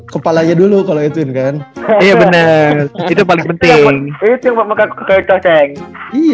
kepalanya dulu kalau itu kan bener itu paling penting